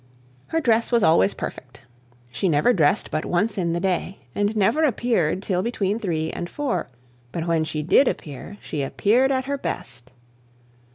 Her dress was always perfect: she never dressed but once in the day, and never appeared till between three and four; but when she did appear, she appeared at her best.